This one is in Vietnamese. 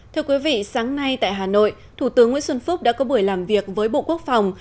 thưa quý vị sáng nay tại hà nội thủ tướng nguyễn xuân phúc đã có buổi làm việc với bộ quốc phòng